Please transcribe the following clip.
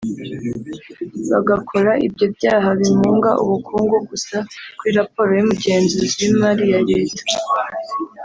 Bagakora ibyo byaha bimunga ubukungu gusa kuri raporo y’Umugenzuzi w’imari ya leta